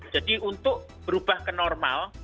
jadi untuk berubah ke normal